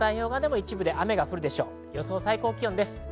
予想最高気温です。